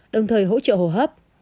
đồng thời hỗ trợ hồ hấp